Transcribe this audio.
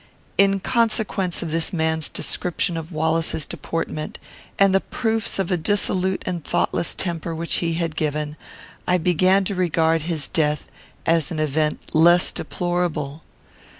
In consequence of this man's description of Wallace's deportment, and the proofs of a dissolute and thoughtless temper which he had given, I began to regard his death as an event less deplorable.